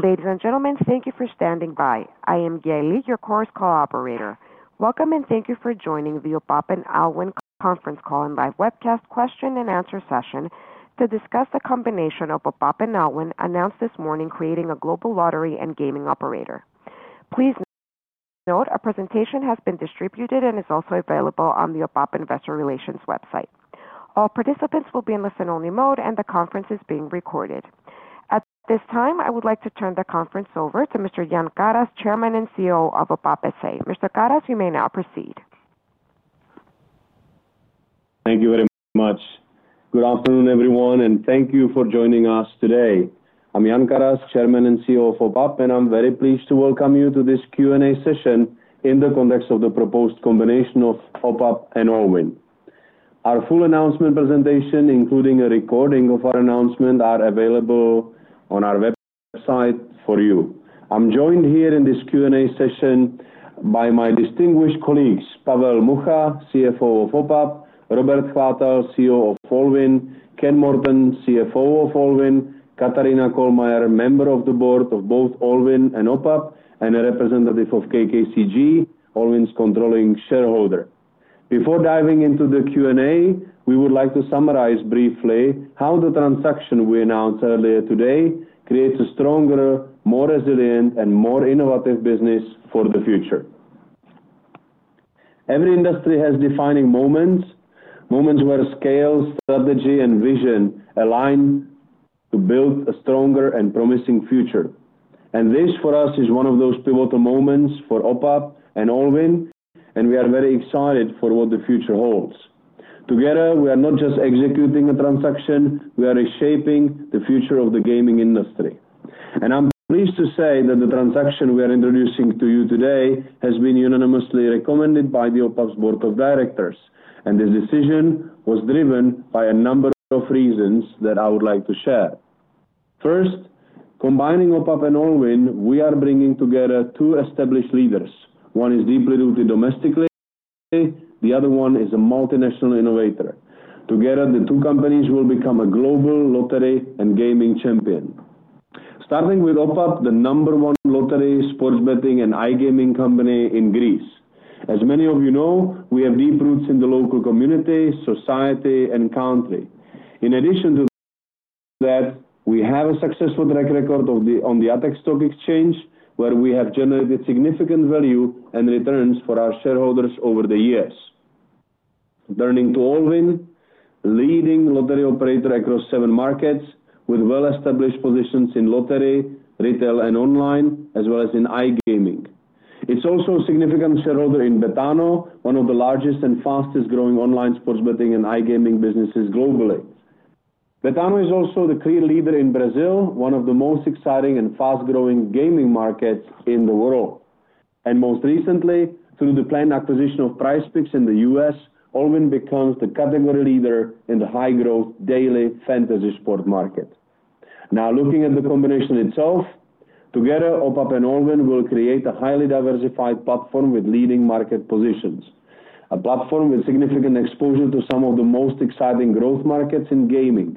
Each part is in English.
Ladies and gentlemen, thank you for standing by. I am Gayle, your co cooperator. Welcome and thank you for joining the OPAP S.A. and Allwyn conference call and live webcast question and answer session to discuss the combination of OPAP S.A. and Allwyn announced this morning, creating a global lottery and gaming operator. Please note, a presentation has been distributed and is also available on the OPAP S.A. investor relations website. All participants will be in listen-only mode and the conference is being recorded at this time. I would like to turn the conference over to Mr. Jan Karas, Chairman and CEO of OPAP S.A. Mr. Karas, you may now proceed. Thank you very much. Good afternoon everyone and thank you for joining us today. I'm Jan Karas, Chairman and CEO of OPAP S.A., and I'm very pleased to welcome you to this Q&A session in the context of the proposed combination of OPAP S.A. and Allwyn. Our full announcement presentation, including a recording of our announcement, are available on our website for you. I'm joined here in this Q&A session by my distinguished colleagues, Pavel Mucha, CFO of OPAP S.A., Robert Chvátal, CEO of Allwyn, Kenneth Morton, CFO of Allwyn, Katarina Kohlmeyer, Member of the Board of both Allwyn and OPAP S.A. and a representative of KKCG, Allwyn's controlling shareholder. Before diving into the Q&A, we would like to summarize briefly how the transaction we announced earlier today creates a stronger, more resilient, and more innovative business for the future. Every industry has defining moments, moments where scale, strategy, and vision align to build a stronger and promising future. This for us is one of those pivotal moments for OPAP S.A. and Allwyn, and we are very excited for what the future holds. Together, we are not just executing a transaction. We are reshaping the future of the gaming industry. I'm pleased to say that the transaction we are introducing to you today has been unanimously recommended by OPAP S.A.'s Board of Directors. This decision was driven by a number of reasons that I would like to share. First, combining OPAP S.A. and Allwyn, we are bringing together two established leaders. One is deeply rooted domestically, the other one is a multinational innovator. Together, the two companies will become a global lottery and gaming champion. Starting with OPAP S.A., the number one lottery, sports betting, and iGaming company in Greece. As many of you know, we have deep roots in the local community, society, and country. In addition to that, we have a successful track record on the ATHEX Stock Exchange where we have generated significant value and returns for our shareholders over the years. Turning to Allwyn, leading lottery operator across seven markets with well-established positions in lottery, retail, and online as well as in iGaming. It's also a significant shareholder in Betano, one of the largest and fastest growing online sports betting and iGaming businesses globally. Betano is also the clear leader in Brazil, one of the most exciting and fast growing gaming markets in the world, and most recently through the planned acquisition of PrizePicks in the U.S., Allwyn becomes the category leader in the high growth daily fantasy sport market. Now looking at the combination itself, together OPAP S.A. and Allwyn will create a highly diversified platform with leading market positions, a platform with significant exposure to some of the most exciting growth markets in gaming,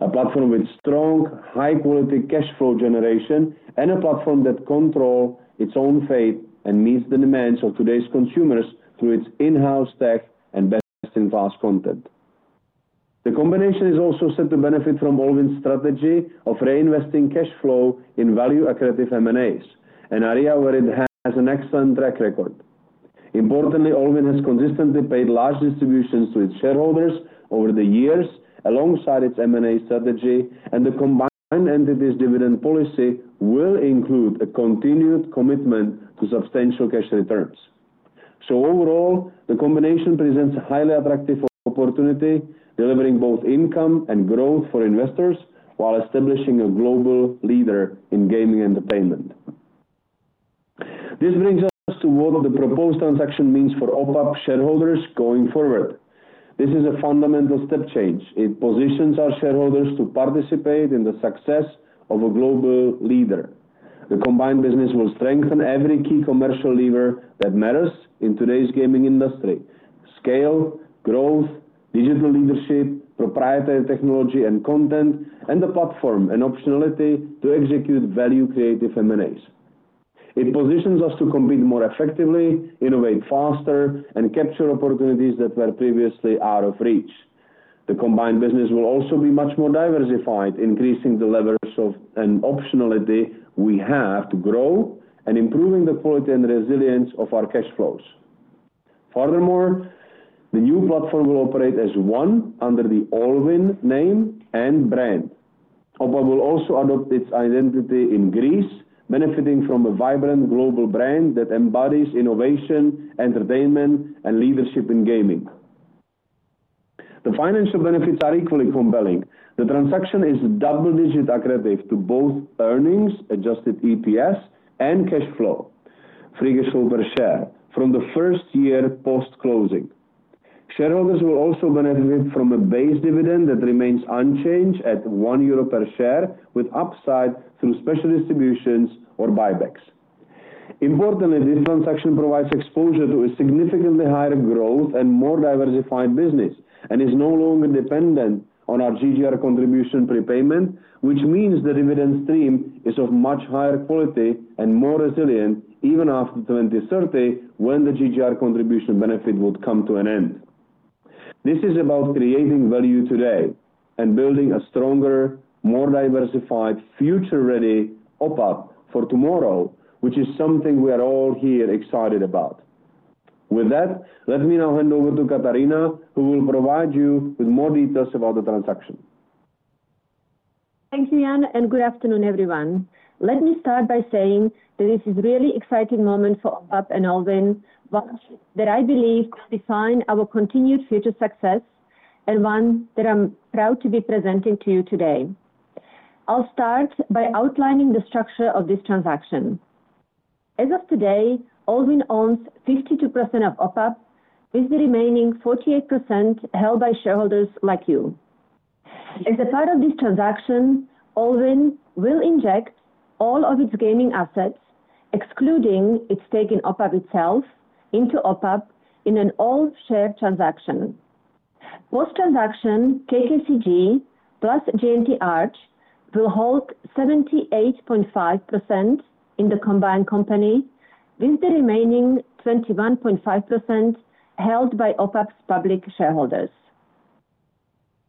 a platform with strong high quality cash flow generation, and a platform that controls its own fate and meets the demands of today's consumers through its in-house tech and best-in-class content. The combination is also said to benefit from Allwyn's strategy of reinvesting cash flow in value accretive M&A activity, an area where it has an excellent track record. Importantly, Allwyn has consistently paid large distributions to its shareholders over the years alongside its M&A strategy, and the combined entity's dividend policy will include a continued commitment to substantial cash returns. Overall, the combination presents a highly attractive opportunity delivering both income and growth for investors while establishing a global leader in gaming entertainment. This brings us to what the proposed transaction means for OPAP S.A. shareholders going forward. This is a fundamental step change. It positions our shareholders to participate in the success of a global leader. The combined business will strengthen every key commercial lever that matters in today's gaming industry: scale, growth, digital leadership, proprietary technology and content, and the platform and optionality to execute value creative M&A activity. It positions us to compete more effectively, innovate faster, and capture opportunities that were previously out of reach. The combined business will also be much more diversified, increasing the levers and optionality we have to grow and improving the quality and resilience of our cash flows. Furthermore, the new platform will operate as one under the Allwyn name and brand. OPAP S.A. will also adopt its identity in Greece, benefiting from a vibrant global brand that embodies innovation, entertainment, and leadership in gaming. The financial benefits are equally compelling. The transaction is double digit accretive to both earnings, adjusted EPS, and cash flow, free cash flow per share from the first year post closing. Shareholders will also benefit from a base dividend that remains unchanged at €1 per share, with upside through special distributions or buybacks. Importantly, this transaction provides exposure to a significantly higher growth and more diversified business and is no longer dependent on our GGR contribution prepayment, which means the dividend stream is of much higher quality and more resilient even after 2030, when the GGR contribution benefit would come to an end. This is about creating value today and building a stronger, more diversified future. Ready OPAP for tomorrow, which is something we are all here excited about. With that, let me now hand over to Katarina, who will provide you with more details about the transaction. Thank you Jan and good afternoon everyone. Let me start by saying that this is a really exciting moment for OPAP S.A. and Allwyn that I believe defines our continued future success and one that I'm proud to be presenting to you today. I'll start by outlining the structure of this transaction. As of today, Allwyn owns 52% of OPAP S.A. with the remaining 48% held by shareholders like you. As a part of this transaction, Allwyn will inject all of its gaming assets, excluding its stake in OPAP S.A. itself, into OPAP S.A. in an all-share transaction. Post transaction, KKCG plus J&T Arch will hold 78.5% in the combined company with the remaining 21.5% held by OPAP S.A.'s public shareholders.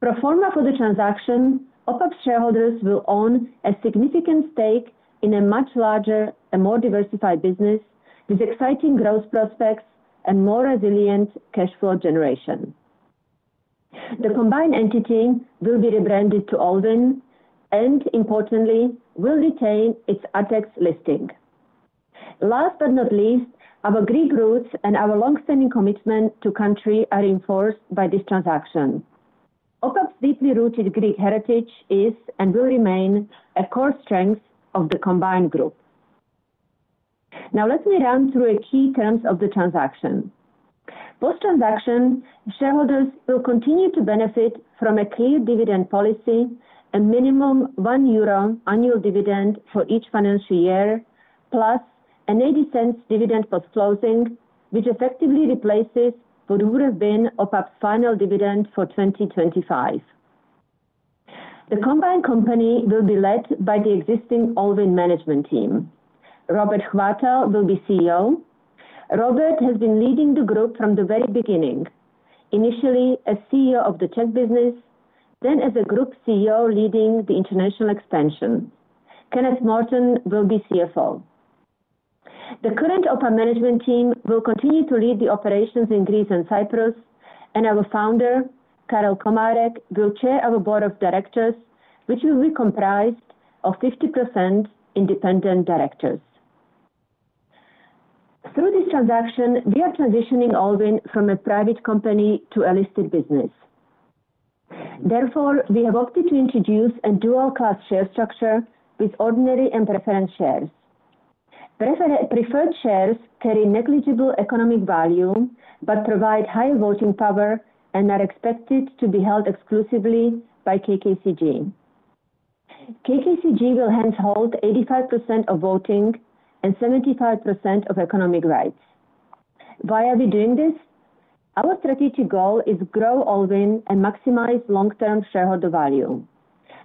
Pro forma for the transaction, OPAP S.A.'s shareholders will own a significant stake in a much larger and more diversified business with exciting growth prospects and more resilient cash flow generation. The combined entity will be rebranded to Allwyn and, importantly, will retain its ATHEX listing. Last but not least, our Greek roots and our longstanding commitment to the country are reinforced by this transaction. OPAP S.A.'s deeply rooted Greek heritage is and will remain a core strength of the combined group. Now let me run through key terms of the transaction. Post transaction, shareholders will continue to benefit from a clear dividend policy, a minimum €1 annual dividend for each financial year plus a €0.80 dividend post closing, which effectively replaces what would have been OPAP S.A.'s final dividend for 2025. The combined company will be led by the existing Allwyn management team. Robert Chvátal will be CEO. Robert has been leading the group from the very beginning, initially as CEO of the tech business, then as Group CEO leading the international expansion. Kenneth Morton will be CFO. The current OPAP S.A. management team will continue to lead the operations in Greece and Cyprus and our founder Karel Komárek will chair our Board of Directors, which will be comprised of 50% independent directors. Through this transaction, we are transitioning Allwyn from a private company to a listed business. Therefore, we have opted to introduce a dual-class share structure with ordinary and preference shares. Preference shares carry negligible economic value but provide high voting power and are expected to be held exclusively by KKCG. KKCG will hence hold 85% of voting and 75% of economic rights. Why are we doing this? Our strategic goal is to grow Allwyn and maximize long-term shareholder value.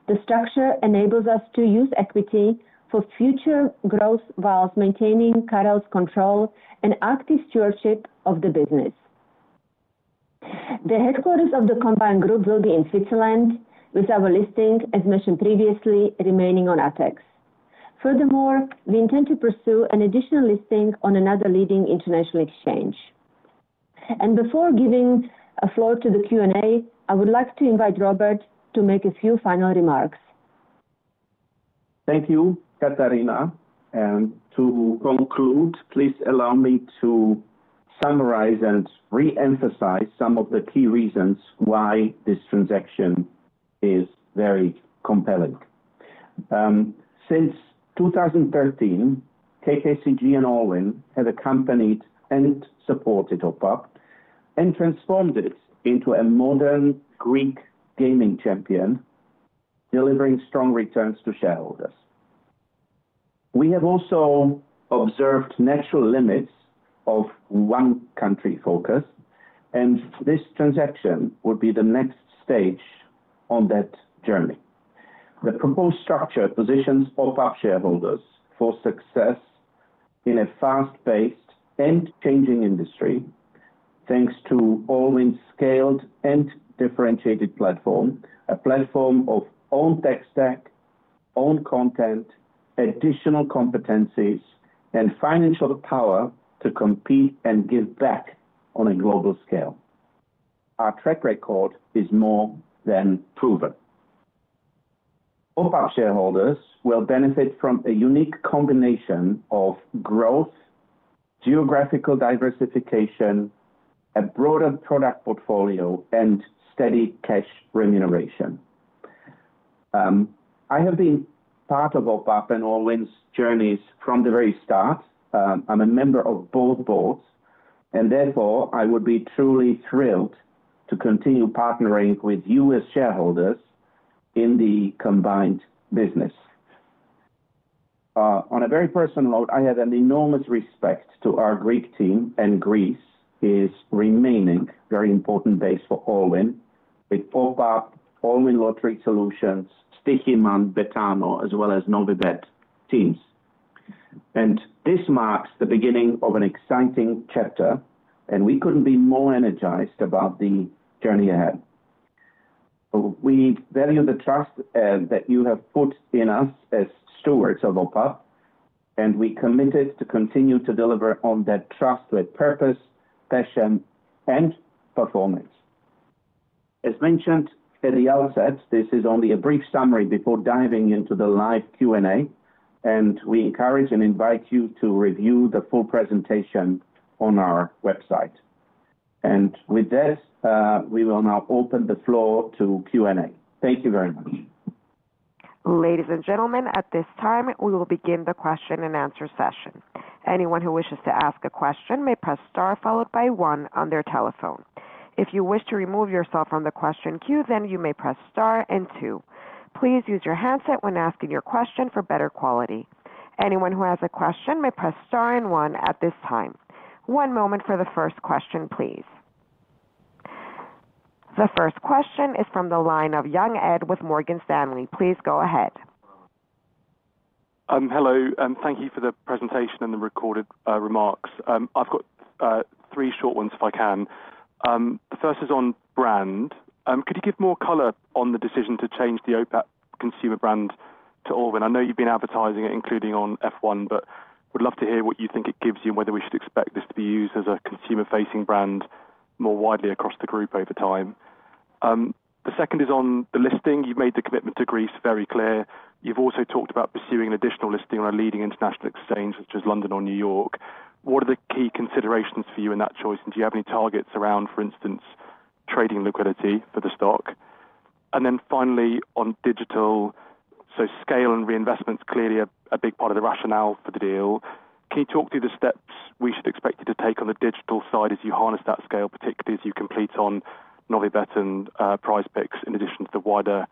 The structure enables us to use equity for future growth whilst maintaining KKCG's control and active stewardship of the business. The headquarters of the combined group will be in Switzerland with our listing, as mentioned previously, remaining on ATHEX. Furthermore, we intend to pursue an additional listing on another leading international exchange. Before giving the floor to the Q&A, I would like to invite Robert to make a few final remarks. Thank you, Katarina. To conclude, please allow me to summarize and re-emphasize some of the key reasons why this transaction is very compelling. Since 2013, KKCG and Allwyn have accompanied and supported OPAP S.A. and transformed it into a modern Greek gaming champion, delivering strong returns to shareholders. We have also observed natural limits of one country focus, and this transaction would be the next stage on that journey. The proposed structure positions OPAP S.A. shareholders for success in a fast-paced and changing industry thanks to Allwyn's scaled and differentiated platform. A platform of own tech stack, own content, additional competencies, and financial power to compete and give back on a global scale. Our track record is more than proven. OPAP S.A. shareholders will benefit from a unique combination of growth, geographical diversification, a broader product portfolio, and steady cash remuneration. I have been part of OPAP S.A. and Allwyn's journeys from the very start. I'm a member of both boards, and therefore I would be truly thrilled to continue partnering with you as shareholders in the combined business. On a very personal note, I have enormous respect for our Greek team, and Greece is remaining a very important base for Allwyn with OPAP S.A., Allwyn Lottery Solutions, Betano, as well as Novibet teams, and this marks the beginning of an exciting chapter. We couldn't be more energized about the journey ahead. We value the trust that you have put in us as stewards of OPAP S.A., and we are committed to continue to deliver on that trust with purpose, passion, and performance. As mentioned at the outset, this is only a brief summary before diving into the live Q&A, and we encourage and invite you to review the full presentation on our website. With this, we will now open the floor to Q&A. Thank you very much, ladies and gentlemen. At this time, we will begin the question and answer session. Anyone who wishes to ask a question may press Star followed by one on their telephone. If you wish to remove yourself from the question queue, you may press Star and two. Please use your handset when asking your question for better quality. Anyone who has a question may press Star and one at this time. One moment for the first question, please. The first question is from the line of Young Ed with Morgan Stanley. Please go ahead. Hello. Thank you for the presentation and the recorded remarks. I've got three short ones if I can. The first is on brand. Could you give more color on the decision to change the OPAP consumer brand to Allwyn? I know you've been advertising it, including on F1, but would love to hear what you think it gives you and whether we should expect this to be used as a consumer-facing brand more widely across the group over time. The second is on the listing. You've made the commitment to Greece very clear. You've also talked about pursuing an additional listing on a leading international exchange such. As London or New York. What are the key considerations for you in that choice? Do you have any targets around, for instance, trading liquidity for the stock, and finally on digital? Scale and reinvestment is clearly a big part of the rationale for the deal. Can you talk through the steps we should expect you to take on the digital side as you harness that scale, particularly as you complete on Novibet and PrizePicks in addition to the wider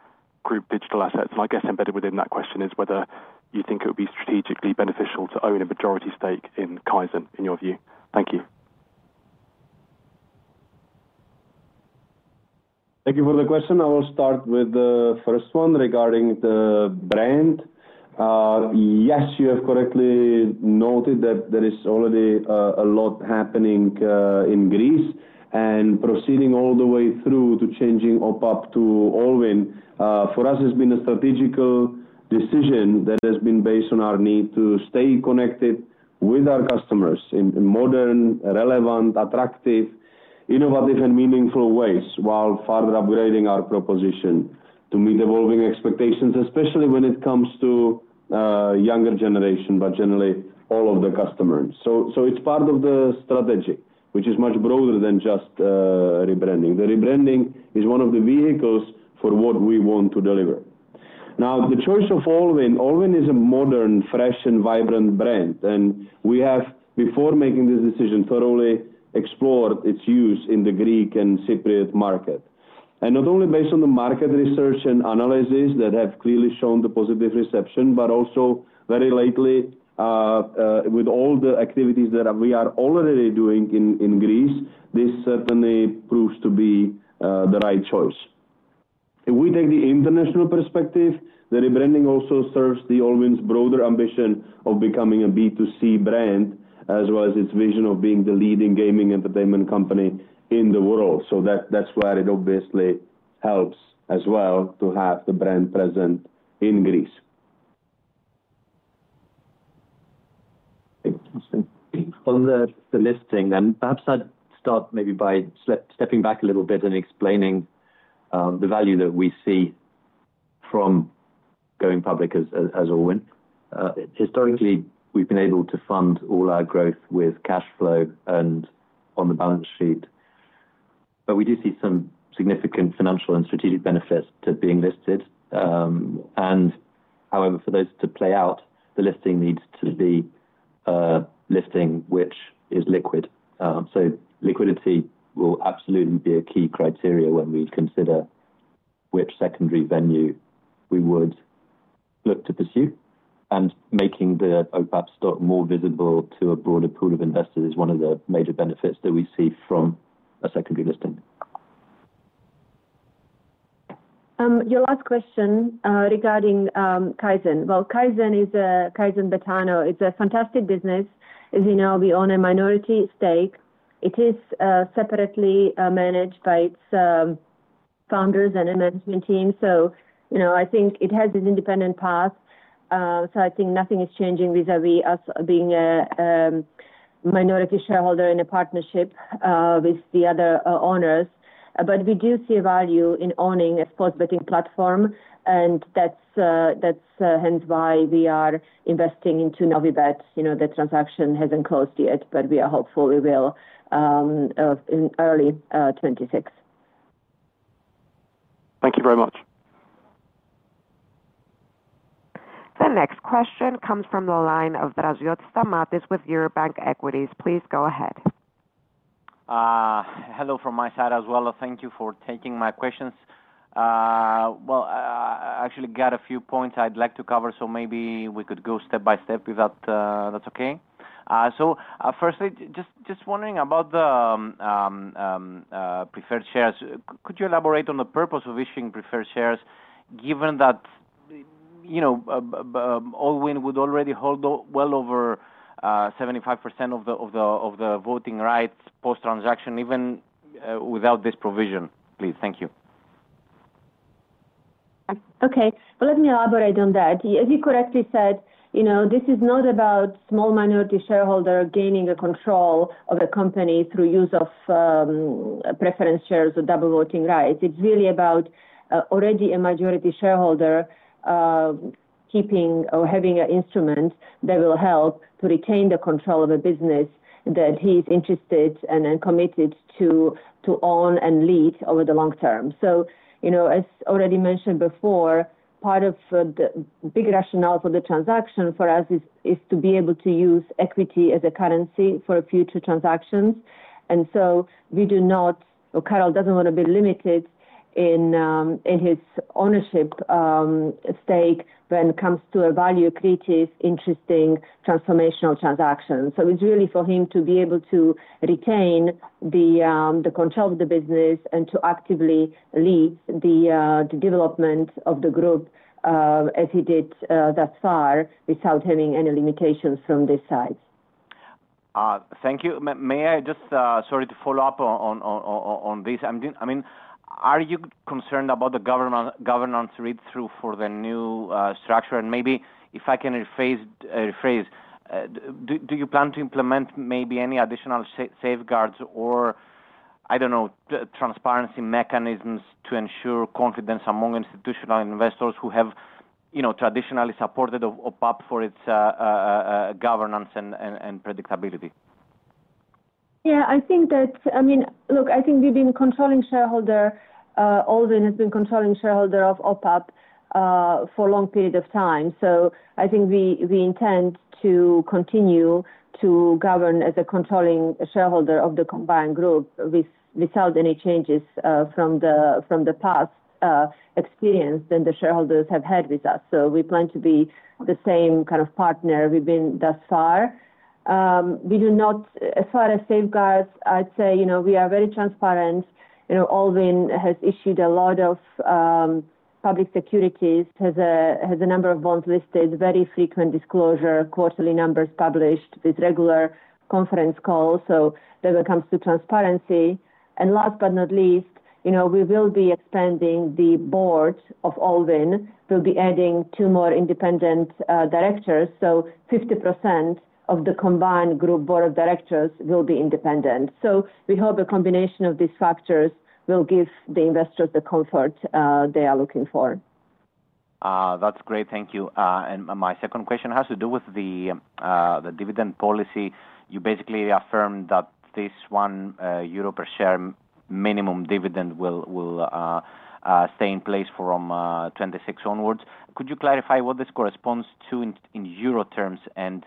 group digital assets? I guess embedded within that question is whether you think it would be strategically beneficial to own a majority stake in Kaizen in your view. Thank you. Thank you for the question. I will start with the first one regarding the brand. Yes, you have correctly noted that there is already a lot happening in Greece and proceeding all the way through to changing OPAP to Allwyn for us has been a strategic decision that has been based on our need to stay connected with our customers in modern, relevant, attractive, innovative, and meaningful ways while further upgrading our proposition to meet evolving expectations, especially when it comes to the younger generation, but generally all of the customers. It's part of the strategy which is much broader than just rebranding. The rebranding is one of the vehicles for what we want to deliver. Now the choice of Allwyn is a modern, fresh, and vibrant brand and we have, before making this decision, thoroughly explored its use in the Greek and Cypriot market. Not only based on the market research and analysis that have clearly shown the positive reception, but also very lately with all the activities that we are already doing in Greece. This certainly proves to be the right choice if we take the international perspective. The rebranding also serves Allwyn's broader ambition of becoming a B2C brand, as well as its vision of being the leading gaming entertainment company in the world. That obviously helps as well to have the brand present in. Greece. On the listing, perhaps I'd start by stepping back a little bit and explaining the value that we see from going public as Organization of Football Prognostics S.A. Historically, we've been able to fund all our growth with cash flow and on the balance sheet. However, we do see some significant financial and strategic benefits to being listed. For those to play out, the listing needs to be a listing which is liquid. Liquidity will absolutely be a key criteria when we consider which secondary venue we would look to pursue. Making the OPAP S.A. stock more visible to a broader pool of investors is one of the major benefits that we see from secondary listing. Your last question regarding Kaizen. Kaizen is Betano. It's a fantastic business. As you know, we own a minority stake. It is separately managed by its founders and management team. I think it has an independent path. I think nothing is changing vis-à-vis us being minority shareholder in a partnership with the other owners. We do see value in owning a sports betting platform and that's why we are investing into Novibet Thank you very much. The next question comes from the line of Eurobank Equities. Please go ahead. Hello from my side as well. Thank you for taking my questions. I actually got a few points I'd like to cover, so maybe we could go step by step, if that's okay. Firstly, just wondering about the preference shares. Could you elaborate on the purpose of issuing preference shares given that, you know, Allwyn would already hold well over 75% of the voting rights post transaction even without this provision. Please. Thank you. Okay, let me elaborate on that. As you correctly said, this is not about a small minority shareholder gaining control of the company through use of preference shares or double voting rights. It's really about already a majority shareholder keeping or having an instrument that will help to retain the control of a business that he's interested and committed to own and lead over the long term. As already mentioned before, part of the big rationale for the transaction for us is to be able to use equity as a currency for future transactions. We do not or Carol Komárek doesn't want to be limited in his ownership stake when it comes to a value-creative, interesting, transformational transaction. It's really for him to be able to retain the control of the business and to actively lead the development of the group as he did thus far, without having any limitations from this side. Thank you. May I just follow up on this. I mean, are you concerned about the governance read through for the new structure, and maybe, if I can rephrase, do you plan to implement maybe any additional safeguards or, I don't know, transparency mechanisms to ensure confidence among institutional investors who have traditionally supported OPAP S.A. for its governance and predictability? Yeah, I think that. I mean, look, I think we've been controlling shareholder. Allwyn has been controlling shareholder of OPAP S.A. for a long period of time. I think we intend to continue to govern as a controlling shareholder of the combined group without any changes from the past experience that the shareholders have had with us. We plan to be the same kind of partner we've been thus far. As far as safeguards, I'd say, you know, we are very transparent. You know, Allwyn has issued a lot of public securities, has a number of bonds listed, very frequent disclosure, quarterly numbers published with regular conference calls. When it comes to transparency, and last but not least, you know, we will be expanding the board of Allwyn. We'll be adding two more independent directors, so 50% of the combined group board of directors will be independent. We hope a combination of these factors will give the investors the comfort they are looking for. That's great. Thank you. My second question has to do with the dividend policy. You basically affirm that this €1 per share minimum dividend will stay in place from 2026 onwards. Could you clarify what this corresponds to in euro terms and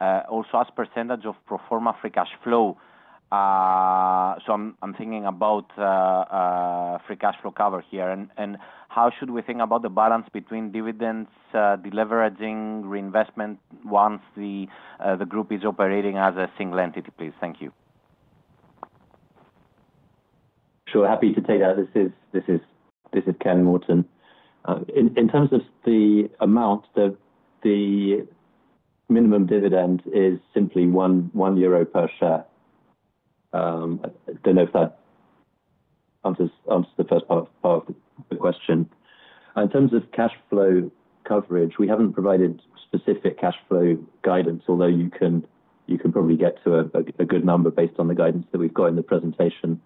also as % of pro forma free cash flow? I'm thinking about free cash flow cover here. How should we think about the balance between dividends, deleveraging, reinvestment once the group is operating as a single entity? Please. Thank you. Sure. Happy to take that. This is Ken Morton. In terms of the amount, the minimum dividend is simply €1 per share. I don't know if that answers the first part of the question. In terms of cash flow coverage, we haven't provided specific cash flow guidance, although you can probably get to a good number based on the guidance that we've got in the presentation.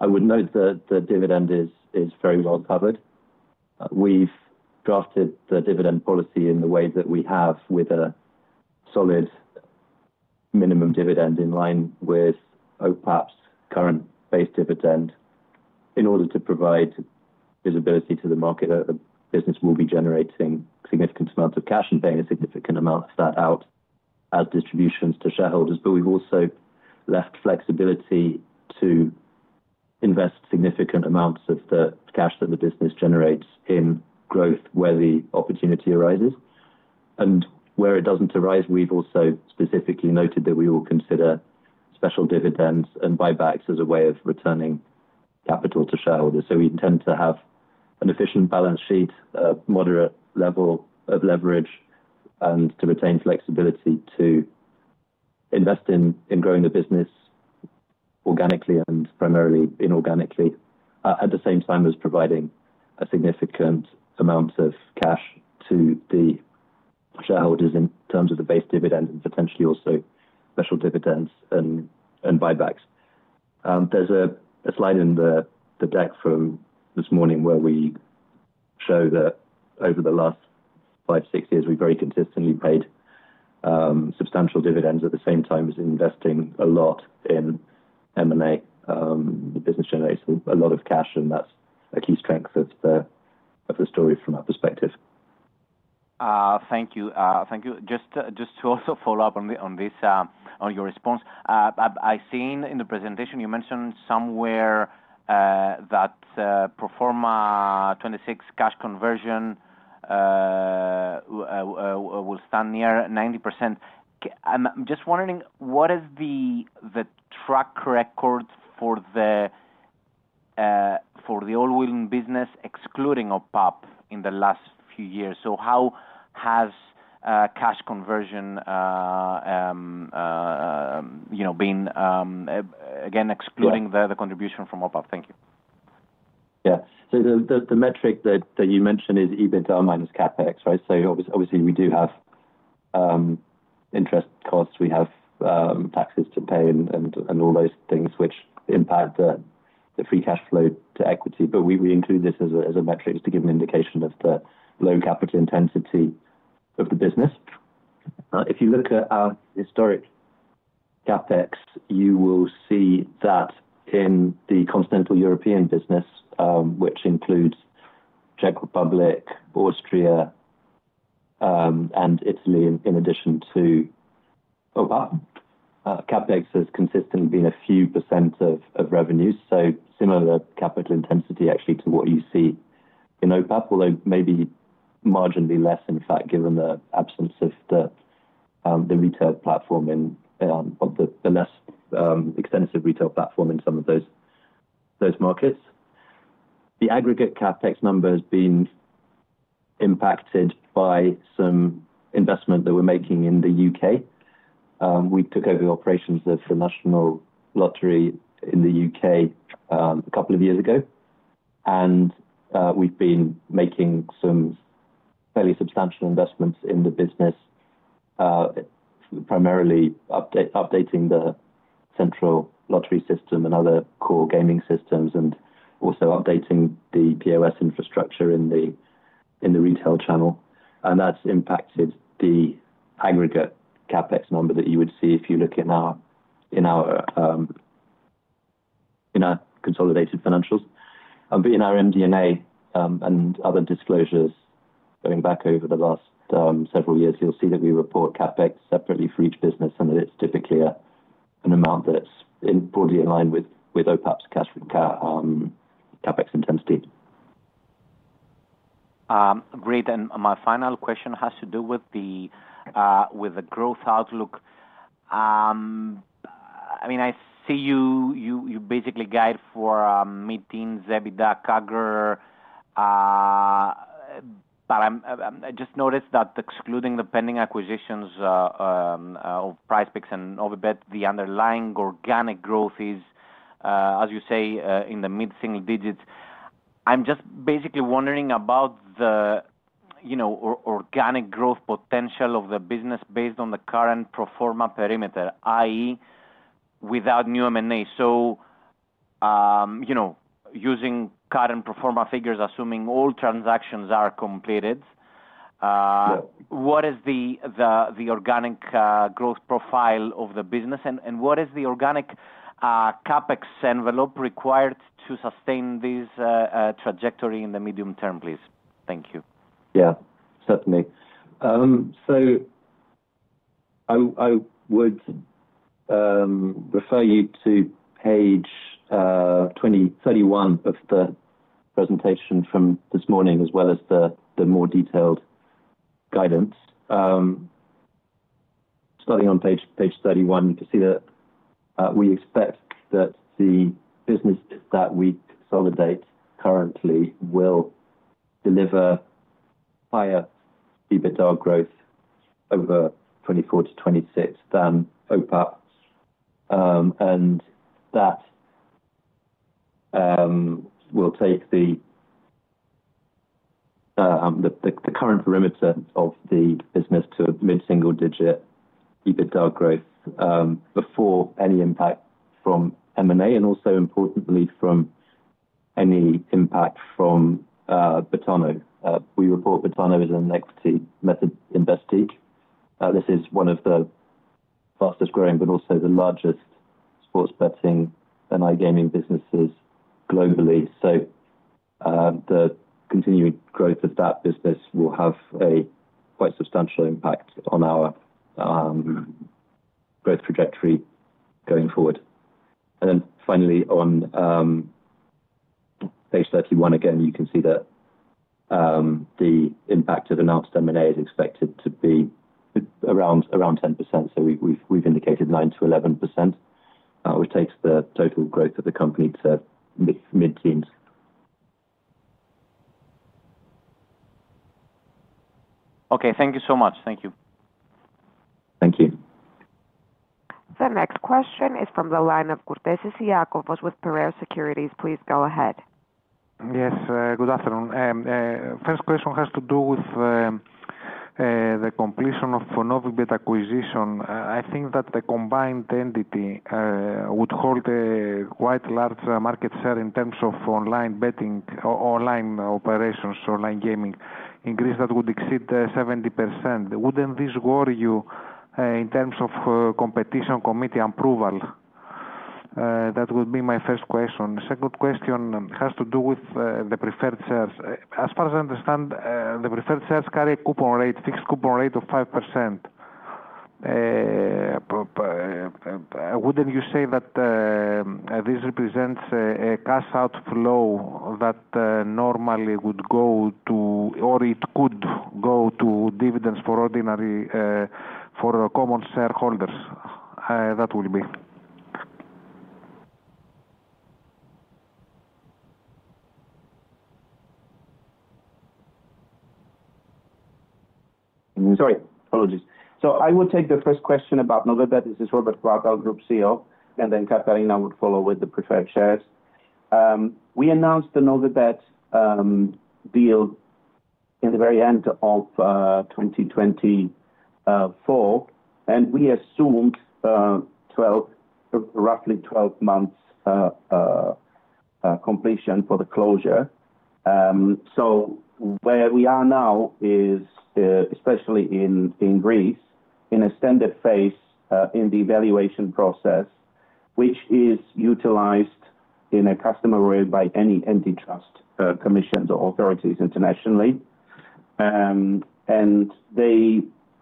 I would note that the dividend is very well covered. We've drafted the dividend policy in the way that we have with a solid minimum dividend in line with OPAP S.A.'s current base dividend. In order to provide visibility to the market, the business will be generating significant amounts of cash and paying a significant amount of that out as distributions to shareholders. We've also left flexibility to invest significant amounts of the cash that the business generates in growth where the opportunity arises and where it doesn't arise. We've also specifically noted that we will consider special dividends and buybacks as a way of returning capital to shareholders. We intend to have an efficient balance sheet, moderate level of leverage, and to retain flexibility to invest in growing the business organically and primarily inorganically at the same time as providing a significant amount of cash to the shareholders in terms of the base dividend and potentially also special dividends and buybacks. There's a slide in the deck from this morning where we show that over the last five, six years we very consistently paid substantial dividends. At the same time as investing a lot in M&A activity, the business generates a lot of cash and that's a key strength of the story from our perspective. Thank you. Thank you. Just to also follow up on your response, I seen in the presentation you mentioned somewhere that pro forma 2026 cash conversion will stand near 90%. I'm just wondering what is the track record for the Allwyn business excluding OPAP in the last few years? How has cash conversion been again, excluding the contribution from OPAP? Thank you. Yeah, so the metric that you mentioned is EBITDA minus CapEx. Right. We do have interest costs, we have taxes to pay and all those things which impact the free cash flow to equity. We include this as a metric to give an indication of the low capital intensity of the business. If you look at our historic CapEx, you will see that in the continental European business, which includes Czech Republic, Austria, and Italy, in addition to OPAP S.A., CapEx has consistently been a few % of revenues. Similar capital intensity actually to what you see in OPAP S.A., although maybe marginally less. In fact, given the absence of the retail platform, the less extensive retail platform in some of those markets, the aggregate CapEx number has been impacted by some investment that we're making in the UK. We took over the operations of the National Lottery in the UK a couple of years ago and we've been making some fairly substantial investments in the business, primarily updating the central lottery system and other core gaming systems and also updating the POS infrastructure in the retail channel. That's impacted the aggregate CapEx number that you would see if you look in our consolidated financials, but in our MD&A and other disclosures going back over the last several years, you'll see that we report CapEx separately for each business and that it's typically an amount that's broadly in line with OPAP S.A.'s CapEx intensity. Great. My final question has to do with the growth outlook. I see you basically guide for meetings, EBITDA, CAGR, but I just noticed that excluding the pending acquisitions of PrizePicks and Novibet, the underlying organic growth is, as you say, in the mid single digits. I'm just basically wondering about the organic growth potential of the business based on the current pro forma perimeter, that is without new M&A. Using current pro forma figures, assuming all transactions are completed, what is the organic growth profile of the business and what is the organic CapEx envelope required to sustain this trajectory in the medium term? Please. Thank you. Yeah, certainly. I would refer you to page 31 of the presentation from this morning as well as the more detailed guidance starting on page 31. You can see that we expect that the business that we consolidate currently will deliver higher EBITDA growth over 2024 to 2026 than OPAP S.A., and that will take the current perimeter of the business to mid single digit EBITDA growth before any impact from M&A and also importantly from any impact from Betano. We report Betano as an equity method investee. This is one of the fastest growing but also the largest sports betting and iGaming businesses globally. The continuing growth of that business will have a quite substantial impact on our growth trajectory going forward. Finally, on page 31 again, you can see that the impact of announced M&A is expected to be around 10%. We've indicated 9% to 11%, which takes the total growth of the company to mid teens. Okay, thank you so much. Thank you. Thank you. The next question is from the line of Iakovos Kourtesis with Piraeus Securities S.A. Please go ahead. Yes, good afternoon. First question has to do with the completion of Novibet acquisition. I think that the combined entity would hold a quite large market share in terms of online betting, online operations, online gaming in Greece that would exceed 70%. Wouldn't this worry you that in terms of competition committee approval? That would be my first question. Second question has to do with the preferred shares. As far as I understand the preferred shares carry a coupon rate, fixed coupon rate of 5%. Wouldn't you say that this represents a cash outflow that normally would go to, or it could go to dividends for ordinary, for common shareholders. That will be. Sorry, apologies. I will take the first question about November. This is Robert Chvátal, Group CEO, and then Katarina would follow with the preference shares. We announced the Novibet deal at the very end of 2020, and we assumed roughly 12 months completion for the closure. Where we are now is, especially in Greece, in a standard phase in the evaluation process, which is utilized in a customary role by any antitrust commissions or authorities internationally. They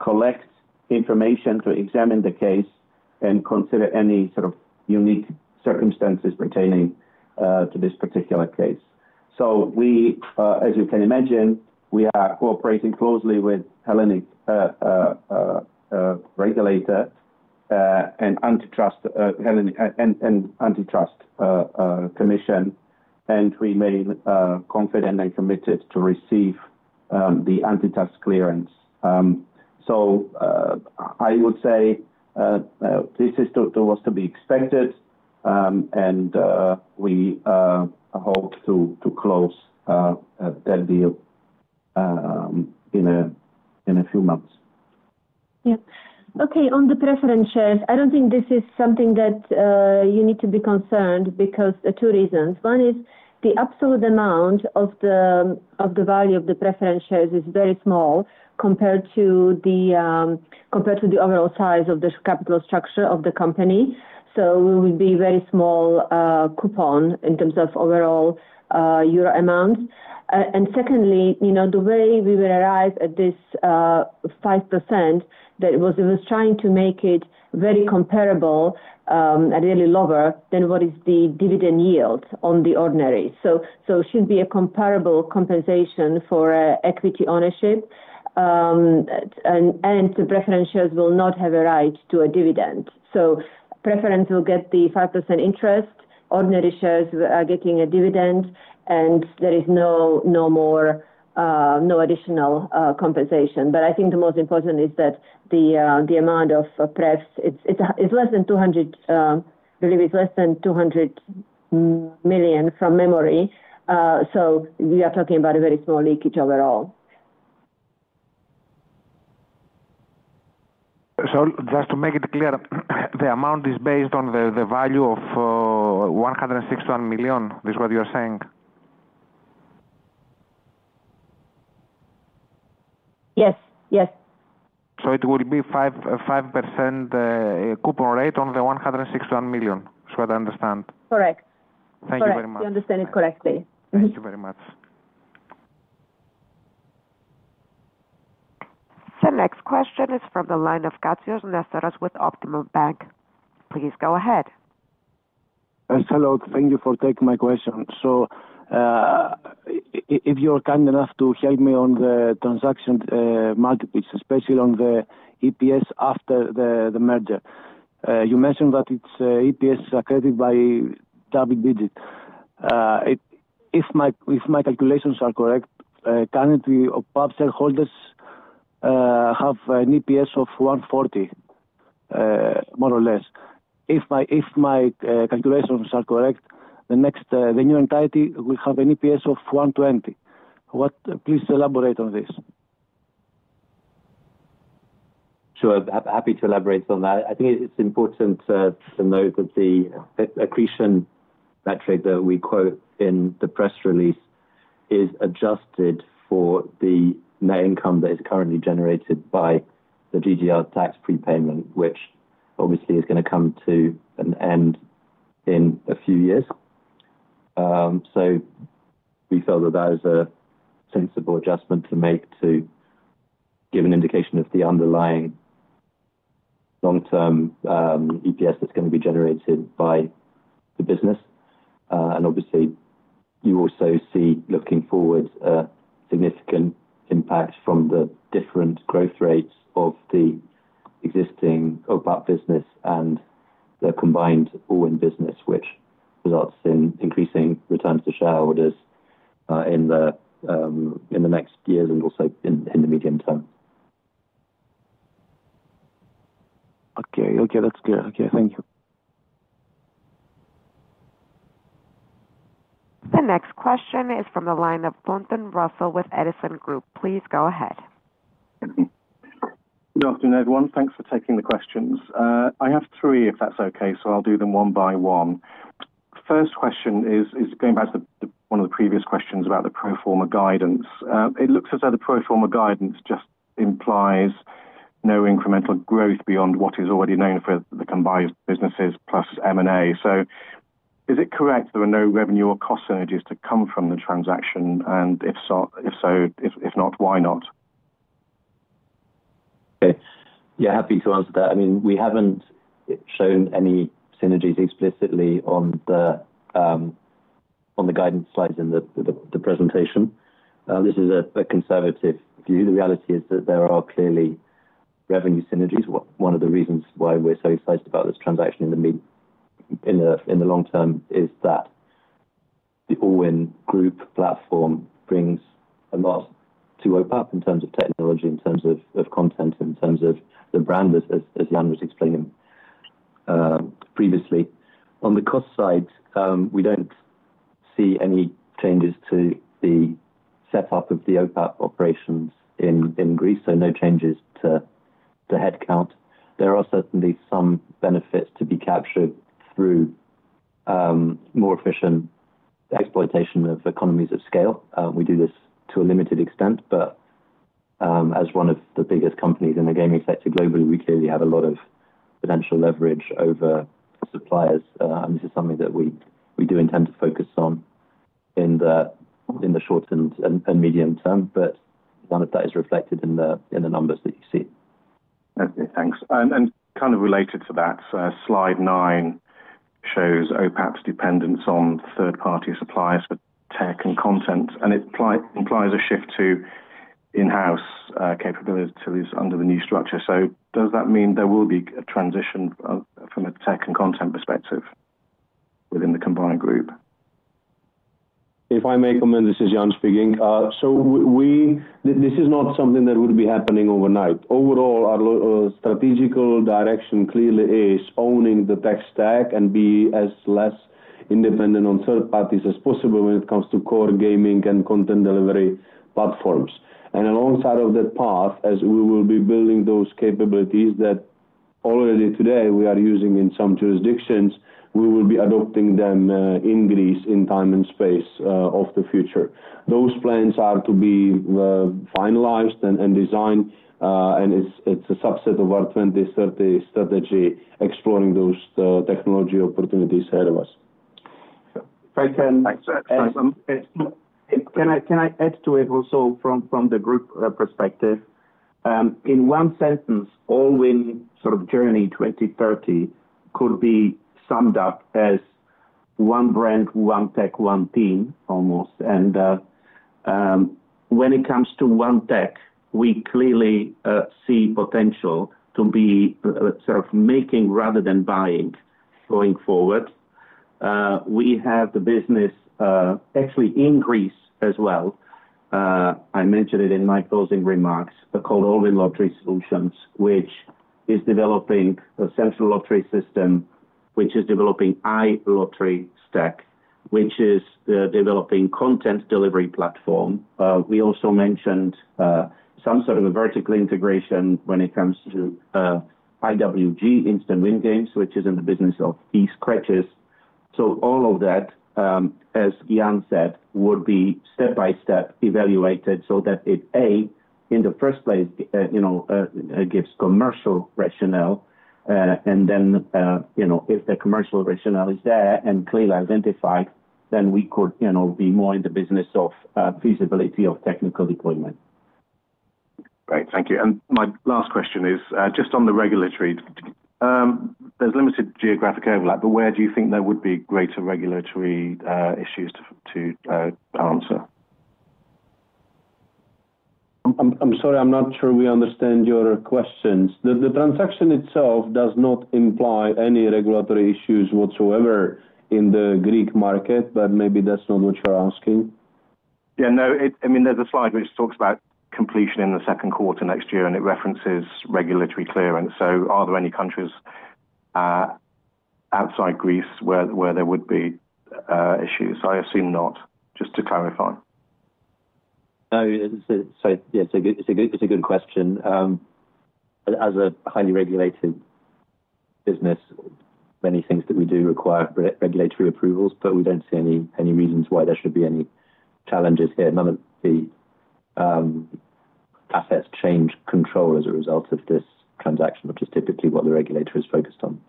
collect information to examine the case and consider any sort of unique circumstances pertaining to this particular case. As you can imagine, we are cooperating closely with the Hellenic Regulator and Antitrust Commission and remain confident and committed to receive the antitrust clearance. I would say this is what's to be expected, and we hope to. Close that deal in a few months. Okay. On the preference shares, I don't think this is something that you need to be concerned because two reasons. One is the absolute amount of the value of the preference shares is very small compared to the overall size of the capital structure of the company. It would be a very small coupon in terms of overall euro amounts. Secondly, the way we would arrive at this 5% was trying to make it very comparable, really lower than what is the dividend yield on the Ordinary. It should be a comparable compensation for equity ownership and the preference shares will not have a right to a dividend. Preference will get the 5% interest. Ordinary shares are getting a dividend and there is no more, no additional compensation. I think the most important is that the amount of prefs is less than €200 million from memory. We are talking about a very small leakage overall. Just to make it clear, the amount is based on the value of €161 million, is what you are saying? Yes. Yes. It will be 5% coupon rate on the €161 million. Correct. Thank you very much. You understand it correctly. Thank you very much. The next question is from the line of Stamatios Draziotis with Eurobank Equities. Please go ahead. Thank you for taking my question. If you're kind enough to help me on the transaction marketplace, especially on the EPS after the merger. You mentioned that EPS is accretive by double digit. If my calculations are correct, currently OPAP shareholders have an EPS of 1.40 more or less. If my calculations are correct, the new entirety will have an EPS of 1.20. Please elaborate on this. Sure, happy to elaborate on that. I think it's important to note that the accretion metric that we quote in the press release is adjusted for the net income that is currently generated by the GGR contribution prepayment, which obviously is going to come to an end in a few years. We felt that that is a sensible adjustment to make to give an indication of the underlying long term EPS that's going to be generated by the business. You also see looking forward, significant impact from the different growth rates of the existing OPAP business and the combined all in business, which results in increasing returns to shareholders in the next years and also in the medium term. Okay, that's good. Okay, thank you. The next question is from the line of Russell Pointon with Edison Investment Research Limited. Please go ahead. Good afternoon everyone. Thanks for taking the questions. I have three if that's okay. I'll do them one by one. First question is going back to one of the previous questions about the pro forma guidance. It looks as though the pro forma guidance just implies no incremental growth beyond what is already known for the combined businesses plus M&A activity. Is it correct there are no revenue or cost synergies to come from the transaction? If so, if not, why not? Yeah, happy to answer that. I mean we haven't shown any synergies explicitly on the guidance slides in the presentation. This is a conservative view. The reality is that there are clearly revenue synergies. One of the reasons why we're so excited about this transaction in the long term is that the Allwyn Group platform brings a lot to OPAP S.A. in terms of technology, in terms of content, in terms of the brand. As Jan was explaining previously, on the cost side, we don't see any changes to the setup of the OPAP S.A. operations in Greece. No changes to the headcount. There are certainly some benefits to be captured through more efficient exploitation of economies of scale. We do this to a limited extent, but as one of the biggest companies in the gaming sector globally, we clearly have a lot of potential leverage over suppliers and this is something that we do intend to focus on in the short and medium term. None of that is reflected in the numbers that you see. Thanks. Kind of related to that, slide 9 shows OPAP's dependence on third party suppliers for tech and content, and it implies a shift to in-house capabilities under the new structure. Does that mean there will be a transition from a tech and content perspective within the combined group? If I may comment, this is Jan speaking. This is not something that would be happening overnight. Overall, our strategical direction clearly is owning the tech stack and be as less independent on third parties as possible when it comes to core gaming and content delivery platforms. Alongside that path, as we will be building those capabilities that already today we are using in some jurisdictions, we will be adopting them in Greece in time and space of the future. Those plans are to be finalized and designed and it's a subset of our 2030 strategy exploring those technology opportunities ahead of us. Can I add to it also from the group perspective? In one sentence, Allwyn's sort of journey to 2030 could be summed up as one brand, one tech, one team almost. When it comes to one tech, we clearly see potential to be making rather than buying going forward. We have the business actually increase as well. I mentioned it in my closing remarks, called Allwyn Lottery Solutions, which is developing a central lottery system, which is developing an iLottery stack, which is developing a content delivery platform. We also mentioned some sort of a vertical integration when it comes to IWG Instant Win games, which is in the business of these scratchers. All of that, as Jan said, would be step by step evaluated so that it, in the first place, gives commercial rationale. If the commercial rationale is there and clearly identified, then we could be more in the business of feasibility of technical deployment. Great, thank you. My last question is just on the regulatory. There's limited geographic overlap, but where do you think there would be greater regulatory issues to answer? I'm sorry, I'm not sure we understand your questions. The transaction itself does not imply any regulatory issues whatsoever in the Greek market. Maybe that's not what you're asking. Yeah, no. I mean there's a slide which talks about completion in the second quarter next year, and it references regulatory clearance. Are there any countries outside Greece where there would be issues? I assume not. Just to clarify. It's a good question. As a highly regulated business, many things that we do require regulatory approvals, but we don't see any reasons why there should be any challenges here. None of the assets change control as a result of this transaction, which is typically what the regulator is focused on.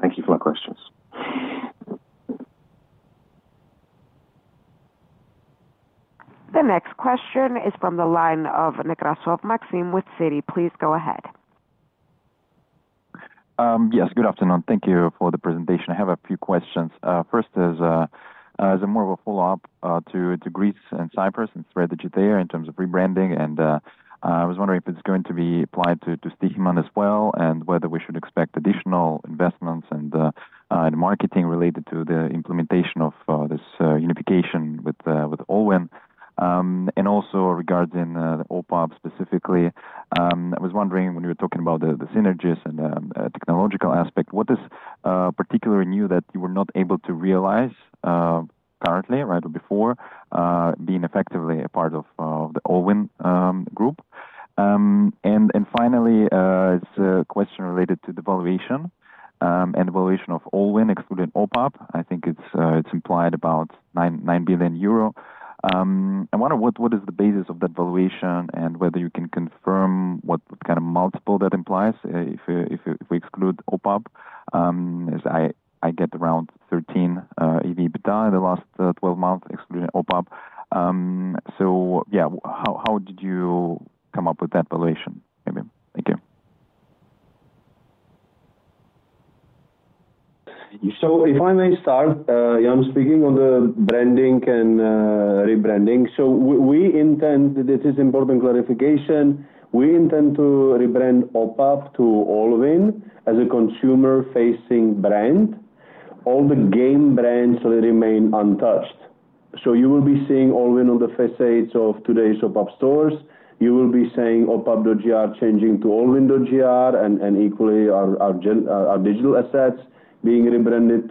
Thank you for my questions. The next question is from the line of Maksim Nekrasov with Citigroup Inc. Please go ahead. Yes, good afternoon. Thank you for the presentation. I have a few questions. First is more of a follow-up to Greece and Cyprus and spread Egypt in terms of rebranding. I was wondering if it's going to be applied to Stoiximan as well and whether we should expect additional investments and marketing related to the implementation of this unification with Allwyn. Also, regarding OPAP S.A. specifically, I was wondering when you were talking about the synergies and technological aspect, what is particularly new that you were not able to realize currently right before being effectively a part of the Allwyn group? Finally, it's a question related to the valuation and valuation of Allwyn excluding OPAP S.A. I think it's implied about €9 billion. I wonder what is the basis of that valuation and whether you can confirm what kind of multiple that implies if we exclude OPAP S.A., as I get around 13x EBITDA in the last 12 months excluding OPAP S.A. How did you come up with that valuation? Thank you. If I may start, I'm speaking on the branding and rebranding. This is important clarification. We intend to rebrand OPAP S.A. to Allwyn as a consumer-facing brand. All the game brands remain untouched. You will be seeing Allwyn on the facades of today's OPAP S.A. stores. You will be seeing OPAP GR changing to Allwyn GR and equally our digital assets being rebranded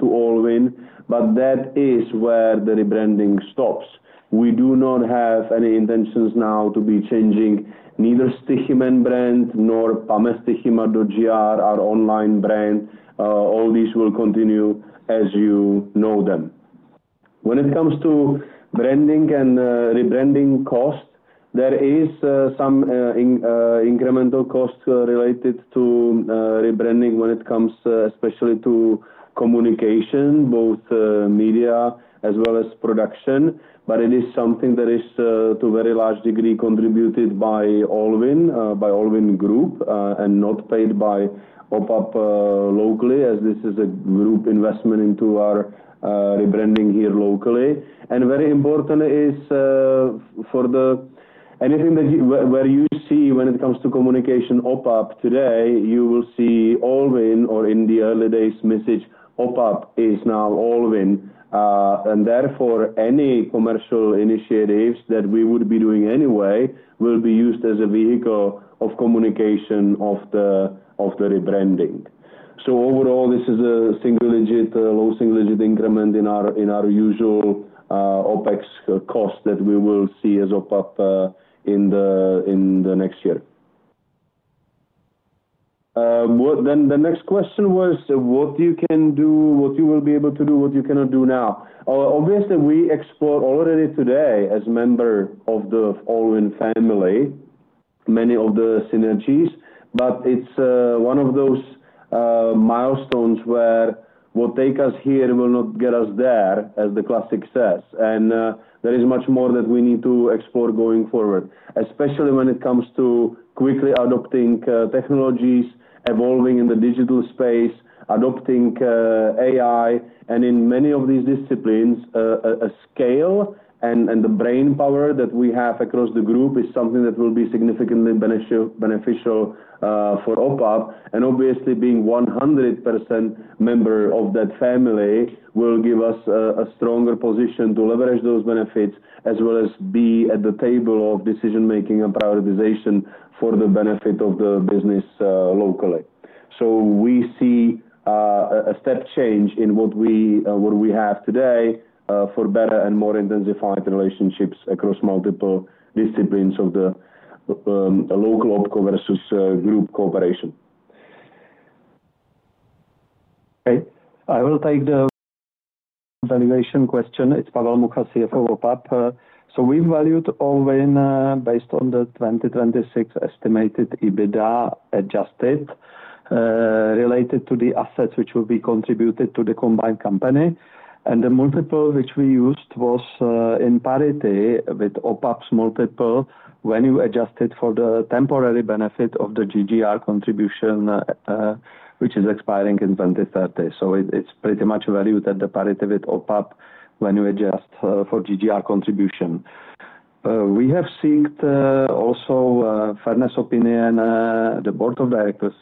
to Allwyn. That is where the rebranding stops. We do not have any intentions now to be changing neither Stoiximan brand nor Pamestoixima GR, our online brand. All these will continue as you know them. When it comes to branding and rebranding cost, there is some incremental cost related to rebranding, especially when it comes to communication, both media as well as production. It is something that is to a very large degree contributed by Allwyn Group and not paid by OPAP S.A. locally, as this is a group investment into our rebranding here locally. Very important is that for anything that you see when it comes to communication, OPAP S.A. today, you will see Allwyn or in the early days, message OPAP is now Allwyn. Therefore, any commercial initiatives that we would be doing anyway will be used as a vehicle of communication of the rebranding. Overall, this is a single-digit, low single-digit increment in our usual OpEx cost that we will see as OPAP S.A. in the next year. The next question was what you can do, what you will be able to do, what you cannot do. Obviously, we explored already today as member of the Allwyn family, many of the synergies. It's one of those milestones where what takes us here will not get us there, as the classic says. There is much more that we need to explore going forward, especially when it comes to quickly adopting technologies, evolving in the digital space, adopting AI and in many of these disciplines. The scale and the brain power that we have across the group is something that will be significantly beneficial for OPAP S.A., and obviously being 100% member of that family will give us a stronger position to leverage those benefits as well as be at the table of decision making and prioritization for the benefit of the business locally. We see a step change in what we have today for better and more intensified relationships across multiple disciplines of the local OpCo versus group cooperation. I will take the valuation question. It's Pavel Mucha, CFO. We valued OPAP S.A. based on the. 2026 estimated EBITDA adjusted related to the assets which will be contributed to the combined company, and the multiple which we used was in parity with OPAP S.A.'s multiple when you adjusted for the temporary benefit of the GGR contribution, which is expiring in 2030. It's pretty much valued at the parity with OPAP S.A. when you adjust for GGR contribution. We have seen also fairness opinion. The Board of Directors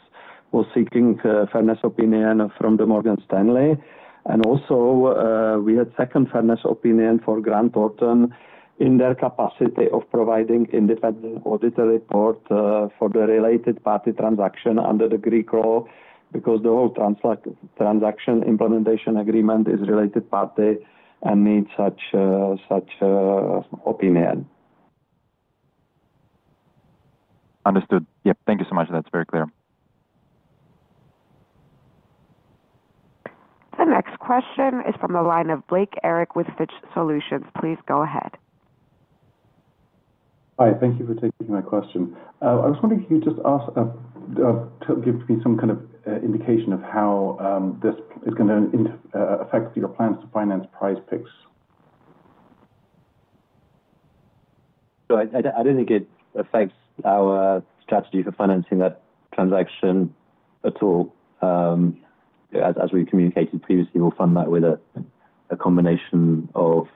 was seeking fairness opinion from Morgan Stanley, and also we had second fairness opinion for Grant Thornton in their capacity of providing independent auditor report for the related party. Transaction under the Greek law because the. Whole transaction implementation agreement is related party and needs such opinion. Understood. Thank you so much. That's very clear. The next question is from the line of Blake Eric with Fitch Solutions. Please go ahead. Thank you for taking my question. I was wondering if you just give me some kind of indication of how this is going to affect your plans to finance PrizePicks. I don't think it affects our strategy for financing that transaction at all. As we communicated previously, we'll fund that with a combination of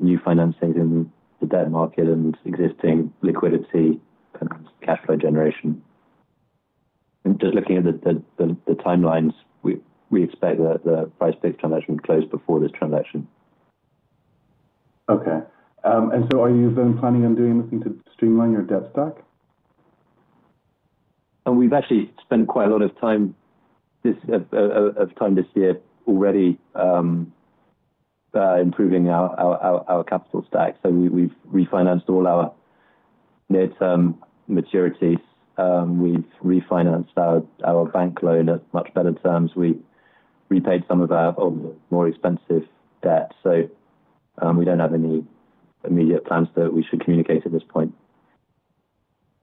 new financing in the debt market and existing liquidity cash flow generation. Just looking at the timelines, we expect that the PrizePicks transaction closes before this transaction. Okay. Are you then planning on doing anything to streamline your debt stack? We've actually spent quite a lot of time this year already improving our capital stack. We refinanced all our near term maturities, we refinanced our bank loan at much better terms, and we repaid some of our more expensive debt. We don't have any immediate plans that we should communicate at this point.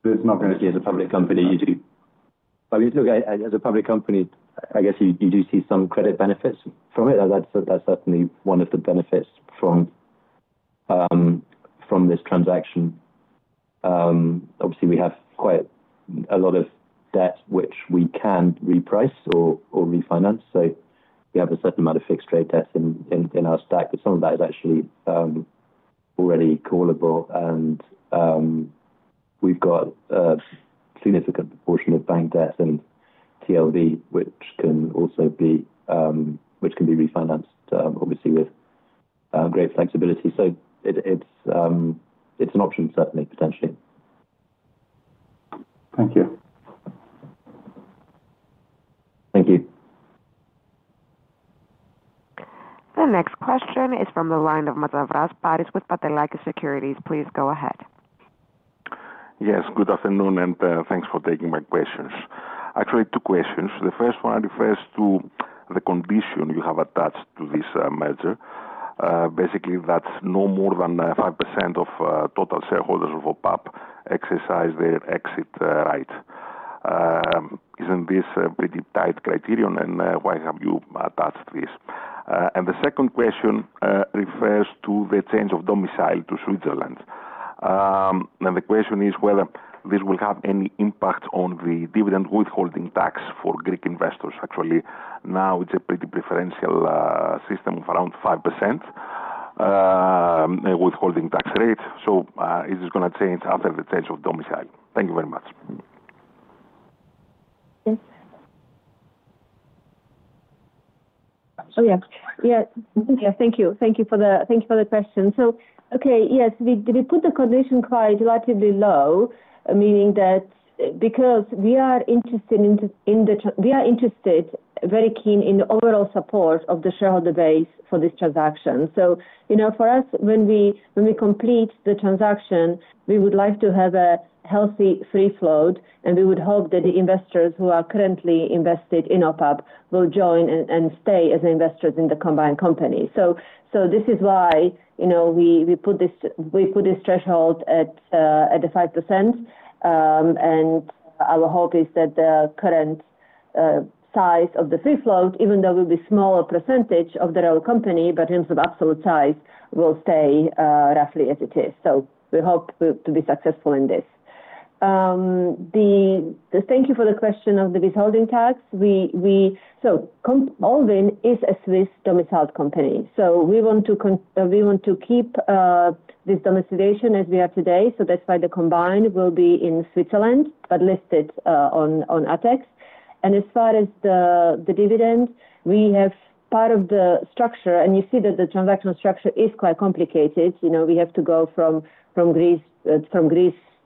As a public company, you do see some credit benefits from it; that's certainly one of the benefits from this transaction. Obviously, we have quite a lot of debt which we can reprice or refinance. We have a certain amount of fixed rate debt in our stack, but some of that is actually already callable, and we've got a significant proportion of bank debt and TLB which can be refinanced, obviously with great flexibility. It's an option certainly, potentially. Thank you. Thank you. The next question is from the line of Stamatios Draziotis with Piraeus Securities S.A. Please go ahead. Yes, good afternoon and thanks for taking my questions. Actually, two questions. The first one refers to the condition you have attached to this merger, basically that no more than 5% of total shareholders of OPAP S.A. exercise their exit. Right. Isn't this a pretty tight criterion? Why have you attached this? The second question refers to the change of domicile to Switzerland and the question is whether this will have any impact on the dividend withholding tax for Greek investors. Actually, now it's a pretty preferential system of around 5% withholding tax rate. Is it going to change after the change of domicile? Thank you very much. Thank you for the question. Yes, we put the condition quite relatively low, meaning that because we are interested, we are very keen in overall support of the shareholder base for this transaction. For us, when we complete the transaction, we would like to have a healthy free float and we would hope that the investors who are currently invested in OPAP S.A. will join and stay as investors in the combined company. This is why we put this threshold at the 5% and our hope is that the current size of the free float, even though it will be a smaller percentage of the real company, in terms of absolute size will stay roughly as it is. We hope to be successful in this. Thank you for the question of the withholding tax. Allwyn is a Swiss-domiciled company. We want to keep this domestication as we are today. That's why the combined will be in Switzerland, but listed on ATHEX. As far as the dividend, we have part of the structure and you see that the transactional structure is quite complicated. We have to go from Greece to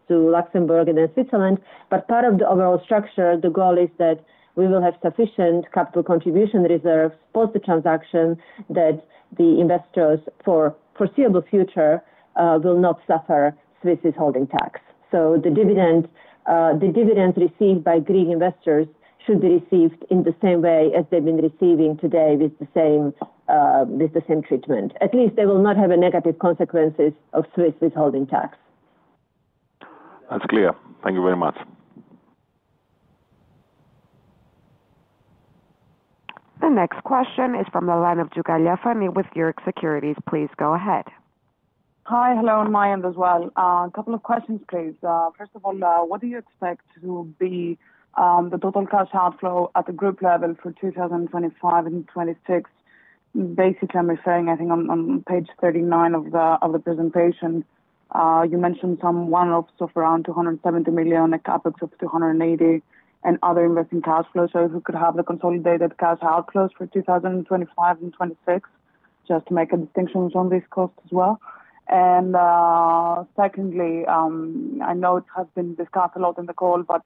Luxembourg and then Switzerland. Part of the overall structure, the goal is that we will have sufficient capital contribution reserves post the transaction that the investors for the foreseeable future will not suffer Swiss withholding tax. The dividends received by Greek investors should be received in the same way as they've been receiving today with the same treatment. At least they will not have negative consequences of Swiss withholding tax. That's clear. Thank you very much. The next question is from the line of Dugalfani with Eurobank Equities Investment Firm S.A. Please go ahead. Hi. Hello. And Mayim as well. A couple of questions please. First of all, what do you expect will be the total cash outflow at the group level for 2025 and 2026? Basically I'm referring, I think on page 39 of the presentation you mentioned some one offs of around €270 million, a CapEx of €280 million, and other investment cash flow. Could we have the consolidated cash outflows for 2025 and 2026? Just to make a distinction on these costs as well. Secondly, I know it has been discussed a lot in the call, but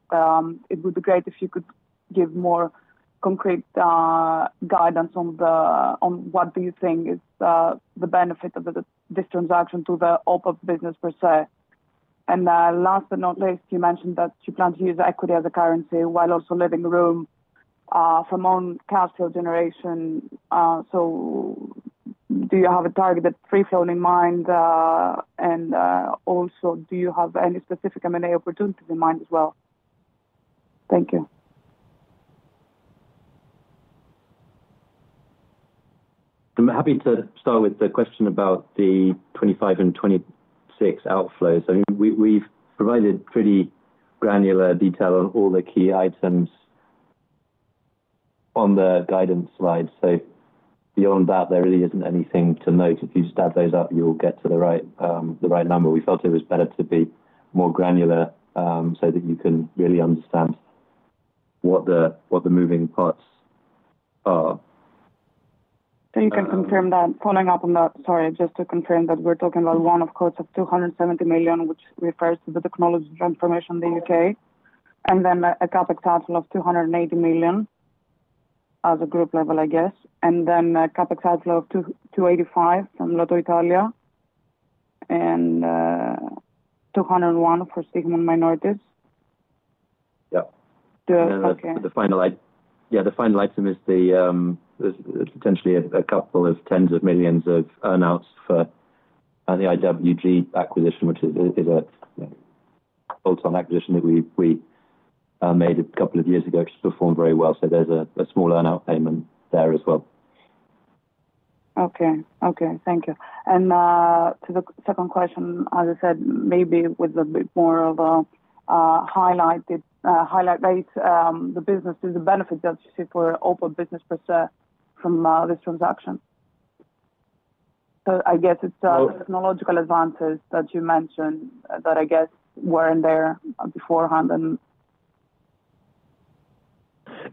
it would be great if you could give more concrete guidance on what you think is the benefit of this transaction to the OPAP S.A. business per se. Last but not least, you mentioned that you plan to use equity as a currency while also leaving room from own cash flow generation. Do you have a targeted free cash flow in mind? Also, do you have any specific M&A opportunity in mind as well? Thank you. I'm happy to start with the question about the 2025 and 2026 outflows. I mean, we've provided pretty granular detail on all the key items on the guidance slide. Beyond that, there really isn't anything to note. If you just add those up, you'll get to the right number. We felt it was better to be more granular so that you can really understand what the moving parts are. You can confirm that. Following up on that, sorry, just to confirm that we're talking about one-off costs of €270 million, which refers to the technology transformation in the UK, and then a CapEx outflow of €280 million at a group level, I guess, and then a CapEx outflow of €285 million from Lottoitalia and €201 million for Sigma minorities. Yeah, the final item is potentially a couple of tens of millions of earnouts for the IWG acquisition, which is a full-time acquisition that we made a couple of years ago, performed very well. There's a small earnout payment there as well. Okay. Thank you. To the second question, as I said, maybe with a bit more of a highlighted highlight, the business is the benefit that you see for OPAP S.A. business per se from this transaction. I guess it's technological advances that you mentioned that I guess weren't there beforehand.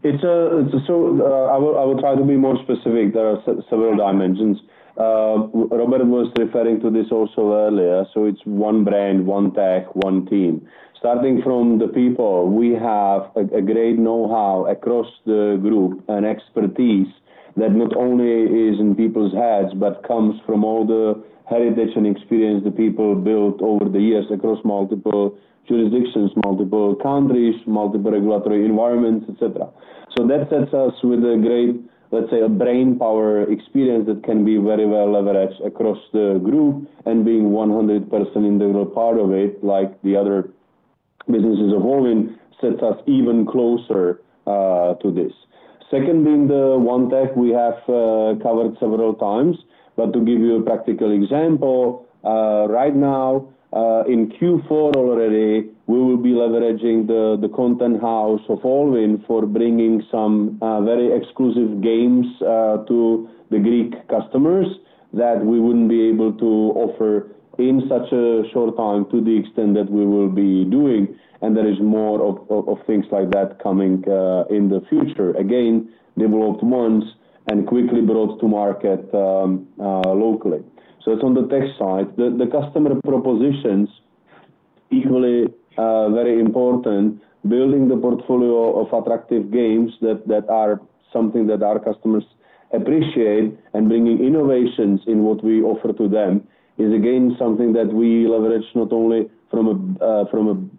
I will try to be more specific, there are several dimensions. Robert was referring to this also earlier. It's one brand, one tech, one team starting from the people. We have a great know-how across the group and expertise that not only is in people's heads but comes from all the heritage and experience the people built over the years across multiple jurisdictions, multiple countries, multiple regulatory environments, etc. That sets us with a great, let's say, brain power experience that can be very well leveraged across the group. Being 100% integral part of it like the other businesses of Allwyn sets us even closer to this. Second, being the one tech we have covered several times. To give you a practical example, right now in Q4 already we will be leveraging the content house of Allwyn for bringing some very exclusive games to the Greek customers that we wouldn't be able to offer in such a short time to the extent that we will be doing, and there is more of things like that coming in the future. Again, developed months and quickly brought to market locally. On the tech side, the customer propositions are equally very important. Building the portfolio of attractive games that are something that our customers appreciate and bringing innovations in what we offer to them is again something that we leverage not only from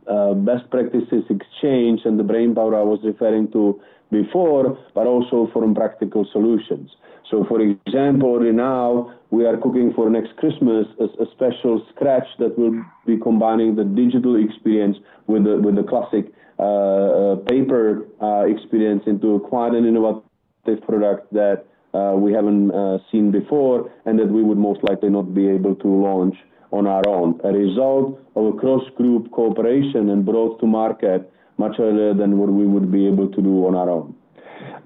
a best practices exchange and the brain power I was referring to before, but also from practical solutions. For example, now we are cooking for next Christmas a special scratch that will be combining the digital experience with the classic paper experience into quite an innovative product that we haven't seen before and that we would most likely not be able to launch on our own. A result of a cross-group cooperation and growth to market much earlier than what we would be able to do on our own.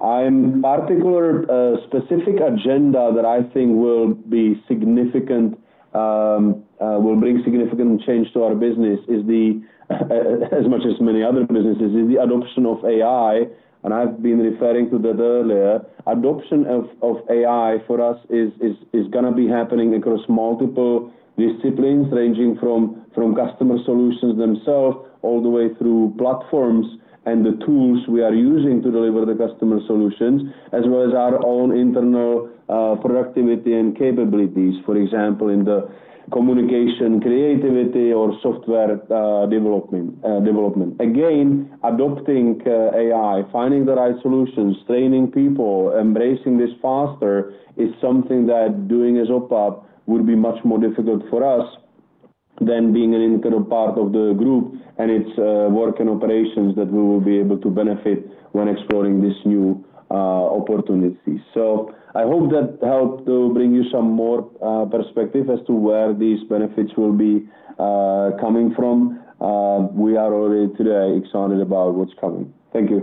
A particular specific agenda that I think will bring significant change to our business, as much as many other businesses, is the adoption of AI. I've been referring to that earlier. Adoption of AI for us is going to be happening across multiple disciplines ranging from customer solutions themselves all the way through platforms and the tools we are using to deliver the customer solutions as well as our own internal productivity and capabilities. For example, in the communication, creativity, or software development, again adopting AI, finding the right solutions, training people, embracing the faster is something that doing as OPAP would be much more difficult for us than being an integral part of the group, and it's work and operations that we will be able to benefit when exploring this new opportunity. I hope that helped to bring you some more perspective as to where these benefits will be coming from. We are already today excited about what's coming. Thank you.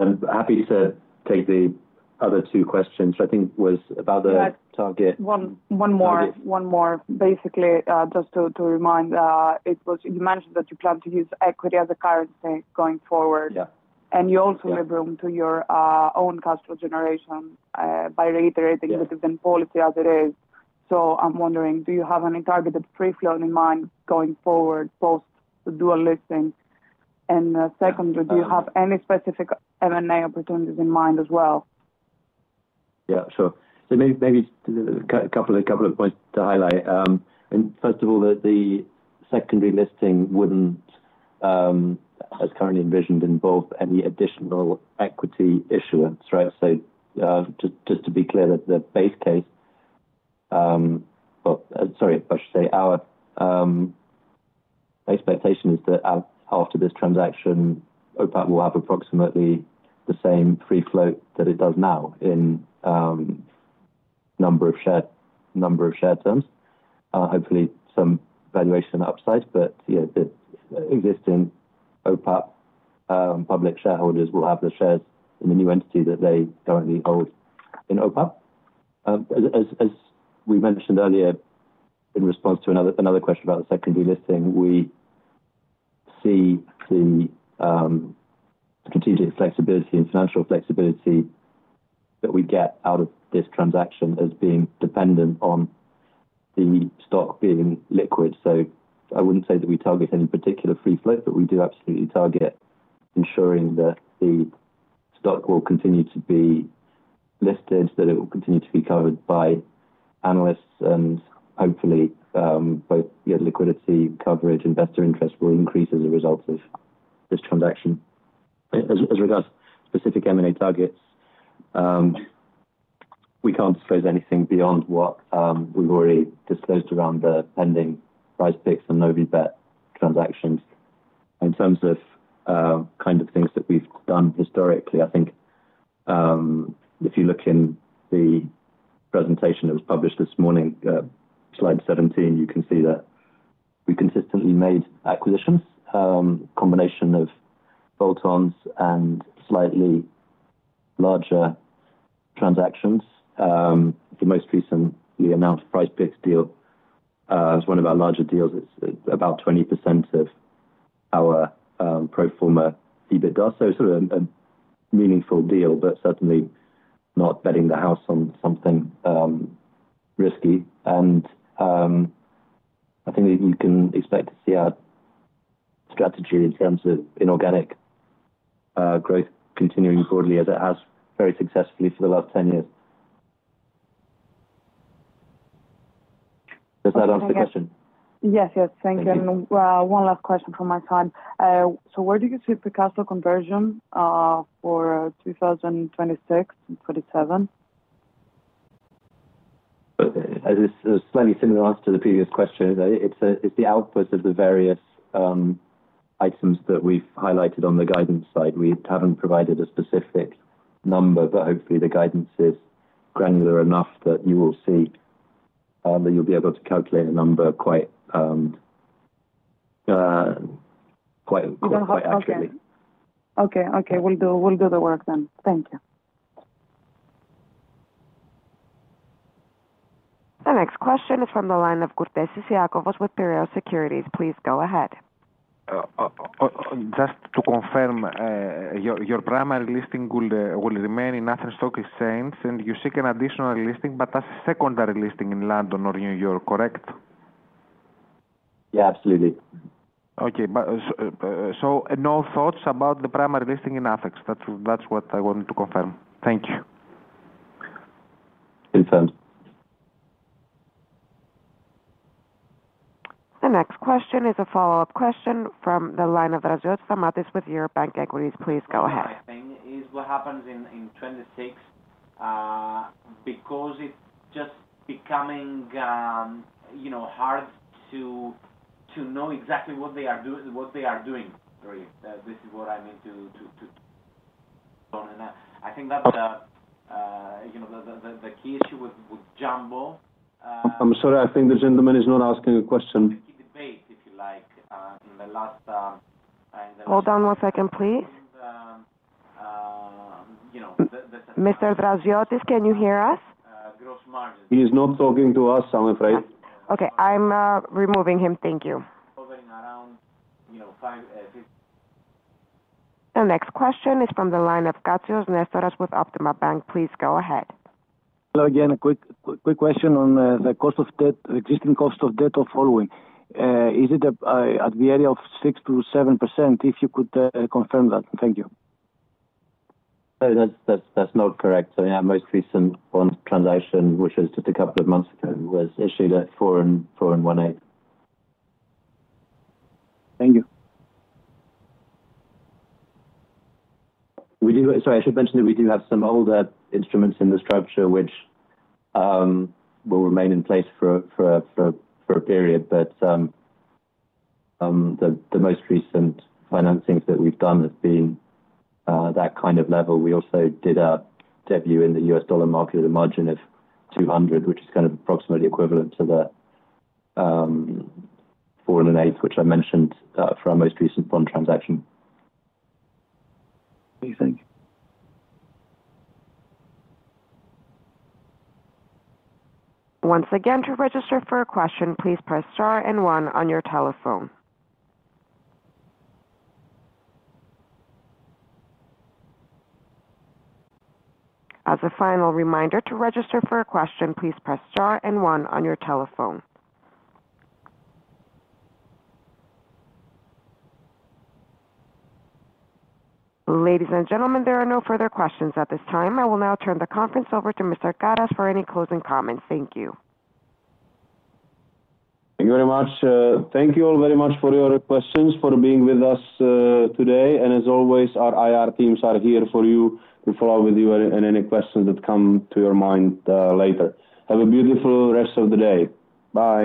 I'm happy to take the other two questions. I think it was about the target. One more, one more. Basically, just to remind, it was you mentioned that you plan to use equity as a currency going forward, and you also leave room to your own cash flow generation by reiterating the dividend policy as it is. I'm wondering, do you have any targeted free cash flow in mind going forward post the dual listing? Secondly, do you have any specific M&A opportunities in mind as well? Yeah, sure. Maybe a couple of points to highlight. First of all, the secondary listing wouldn't, as currently envisioned, involve any additional equity issuance. Right. Just to be clear, our expectation is that after this transaction Organization of Football Prognostics S.A. will have approximately the same free float that it does now in number of share terms, hopefully some valuation upside. Existing Organization of Football Prognostics S.A. public shareholders will have the shares in the new entity that they currently hold in Organization of Football Prognostics S.A. As we mentioned earlier, in response to another question about the secondary listing, we see the strategic flexibility and financial flexibility that we get out of this transaction as being dependent on the stock being liquid. I wouldn't say that we target any particular free float, but we do absolutely target ensuring that the stock will continue to be listed, that it will continue to be covered by analysts, and hopefully both liquidity coverage and investor interest will increase as a result of this transaction. As regards specific M&A activity targets, we can't disclose anything beyond what we've already disclosed around the pending PrizePicks and Novibet transactions. In terms of things that we've done historically, if you look in the presentation that was published this morning, slide 17, you can see that we consistently made acquisitions, a combination of bolt-ons and slightly larger transactions. The most recent, the amount of the PrizePicks deal, is one of our larger deals. It's about 20% of our pro forma EBITDA. It's a meaningful deal, but certainly not betting the house on something risky. I think you can expect to see our strategy in terms of inorganic growth continuing broadly as it has very successfully for the last 10 years. Does that answer the question? Yes. Yes. Thank you. One last question from my side. Where do you see OPAP S.A. conversion for 2026, 2027? Slightly similar answer to the previous question. It's the output of the various items that we've highlighted on the guidance side. We haven't provided a specific number, but hopefully the guidance is granular enough that you will see that you'll be able to calculate a number quite easily. Okay. Okay, we'll do the work then. Thank you. The next question is from the line of Eurobank Equities Investment Firm S.A. Please go ahead. Just to confirm, your primary listing will remain in ATHEX and you seek an additional listing, but a secondary listing in London or New York, correct? Yeah, absolutely. Okay, so no thoughts about the primary listing in ATHEX. That's what I want to confirm. Thank you. The next question is a follow-up question from the line of Stamatios Draziotis with Eurobank Equities. Please go ahead. I think is what happens in 2026 because it's just becoming hard to know exactly what they are doing. This is what I mean to. I think that you know the key issue with Jumbo. I'm sorry, I think the gentleman is not asking a question. Debate if you like in the last. Hold on one second, please. Mr. Draziotis, can you hear us? He's not talking to us, I'm afraid. Okay, I'm removing him. Thank you. The next question is from the line of Stamatios Draziotis with Optima Bank. Please go ahead. Hello again. A quick question on the cost of debt. Existing cost of debt or following. Is it at the area of 6 to 7%? If you could confirm that. Thank you. That's not correct. Our most recent bond transaction, which was just a couple of months ago, was issued at 4.18%. Thank you. I should mention that we do have some older instruments in the structure which will remain in place for a period. The most recent financings that we've done have been that kind of level. We also did a debut in the U.S. dollar market at a margin which is approximately equivalent to the 4.125% which I mentioned for our most recent bond transaction. Once again, to register for a question please press star and one on your telephone. As a final reminder to register for a question please press star and one on your telephone. Ladies and gentlemen, there are no further questions at this time. I will now turn the conference over to Mr. Karas for any closing comments. Thank you. Thank you very much. Thank you all very much for your questions, for being with us today. As always, our IR teams are here for you to follow up with you and any questions that come to your mind later. Have a beautiful rest of the day. Bye.